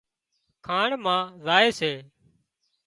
کاڻ مان زائي سي